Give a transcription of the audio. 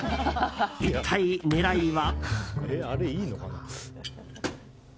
一体、狙いは。